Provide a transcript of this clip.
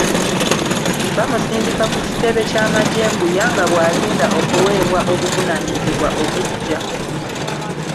Bamusindika ku kitebe ky’amagye e Mbuya nga bw’alinda okuweebwa obuvunaanyizibwa obuggya.